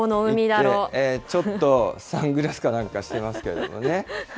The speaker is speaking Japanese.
ちょっとサングラスかなんかしてますけれどもね。